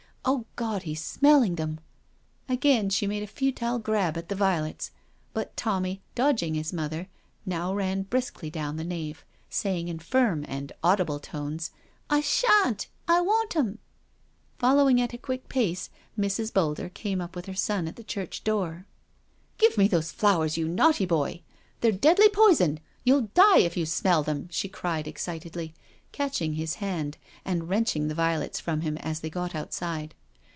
Oh God, he's smelling them I'* Again she made a futile grab at the violets. But Tonuny, dodging his mother, now ran briskly down the nave, saying in firm and audible tones: " I shan't— I want 'em," Following at a quick pace, Mrs. Boulder came up with her son at the church door. 194 NO SURRENDER " Give me those flowers, you naughty boy. They're deadly poison— you'll die if you smell them," she cried excitedly, catching his hand and wrenching the violets from him as they got outside.